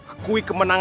aku ingin menang